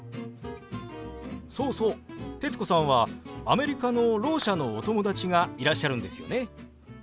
そうそう徹子さんはアメリカのろう者のお友達がいらっしゃるんですよね？